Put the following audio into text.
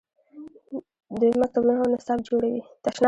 دوی مکتبونه او نصاب جوړوي.